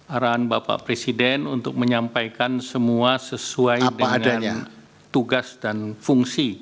arahan bapak presiden untuk menyampaikan semua sesuai dengan tugas dan fungsi